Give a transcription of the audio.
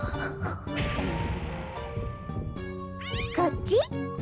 う。こっち？